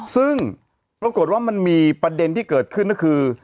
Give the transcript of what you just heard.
ซึ่งปรากฏว่ามันมีประเด็นที่เกิดขึ้นก็คือ